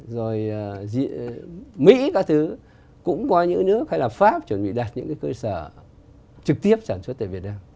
rồi mỹ các thứ cũng có những nước hay là pháp chuẩn bị đặt những cái cơ sở trực tiếp sản xuất tại việt nam